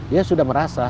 ya sudah merasa